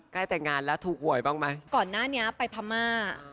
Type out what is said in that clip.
ใกล้แต่งงานแล้วถูกหวยบ้างมั้ย